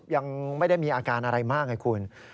ยังไม่ได้มีอาการอะไรมากไงคุณ